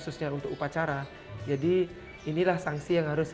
banyak kejadian tersebut karena kami tidak bisa masuk ke hal tersebut